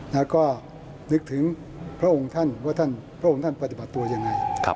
แล้วก็นึกถึงพระองค์ท่านว่าท่านพระองค์ท่านปฏิบัติตัวยังไง